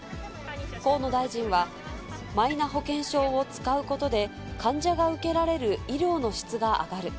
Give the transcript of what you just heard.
河野大臣は、マイナ保険証を使うことで、患者が受けられる医療の質が上がる。